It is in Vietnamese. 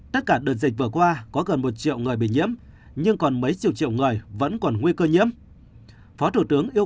triệu người bị nhiễm nhưng còn mấy triệu triệu người vẫn còn nguy cơ nhiễm phó thủ tướng yêu